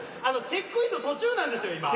あのチェックインの途中なんですよ